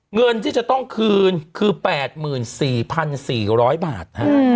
เงินที่จะต้องคืนคือ๘๔๔๐๐บาท